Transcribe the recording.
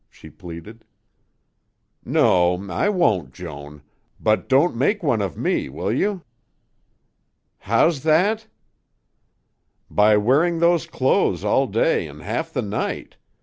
she pleaded. "No, I won't, Joan. But don't make one of me, will you?" "How's that?" "By wearing those clothes all day and half the night.